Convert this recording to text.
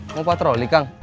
mau patroli kang